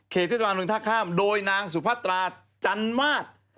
เขตธิบาลลุงทักข้ามโดยนางสุภาตราจันทร์มาตร